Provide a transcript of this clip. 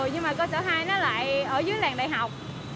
nhưng mà cơ sở hai nó lại ở dưới làng đại học